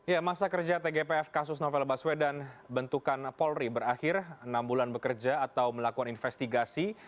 ya masa kerja tgpf kasus novel baswedan bentukan polri berakhir enam bulan bekerja atau melakukan investigasi